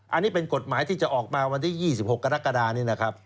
อันนี้เป็นกฎหมายที่จะออกมาวันที่๒๖กรกฎานี้นะครับ